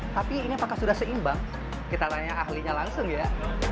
tapi ini apakah sudah seimbang kita tanya ahlinya langsung ya